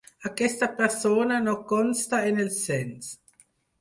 Aquesta persona no consta en el cens.